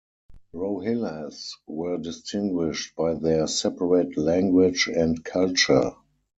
Rohillas were distinguished by their separate language and culture.